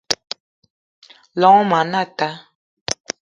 Llong ma anata